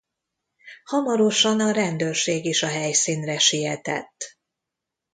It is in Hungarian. Hamarosan a rendőrség is a helyszínre sietett.